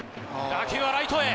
打球はライトへ。